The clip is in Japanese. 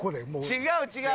違う違う！